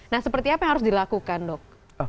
nah seperti apa yang harus dilakukan dok